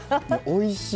おいしい。